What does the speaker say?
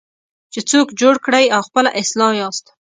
چې څوک جوړ کړئ او خپله اصلاح یاست.